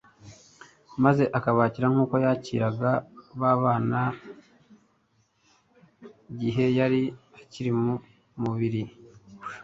maze akabakira nkuko yakiraga ba bana i Gihe yari akiri mu mubiri.